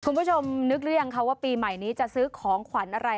คุณผู้ชมนึกหรือยังคะว่าปีใหม่นี้จะซื้อของขวัญอะไร